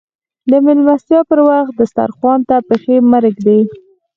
د ميلمستيا پر وخت دسترخوان ته پښې مه ږدئ.